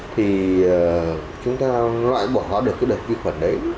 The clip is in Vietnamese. thì chúng ta loại bỏ hóa được cái đợt vi khuẩn đấy